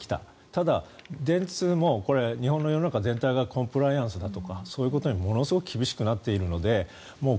ただ、電通も日本の世の中全体がコンプライアンスだとかそういうことにものすごく厳しくなっているのでもう